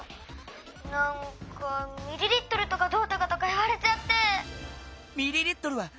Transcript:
なんかミリリットルとかどうとかとかいわれちゃって」。